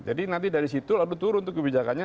jadi nanti dari situ lalu turun kebijakannya